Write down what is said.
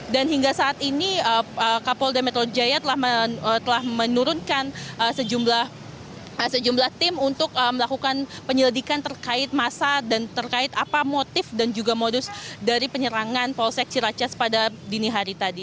dan hingga saat ini kapolda metro jaya telah menurunkan sejumlah tim untuk melakukan penyelidikan terkait masa dan terkait apa motif dan juga modus dari penyerangan polsek ciraces pada dini hari tadi